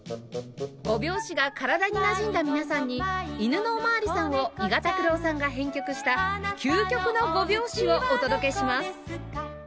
５拍子が体になじんだ皆さんに『いぬのおまわりさん』を伊賀拓郎さんが編曲した究極の５拍子をお届けします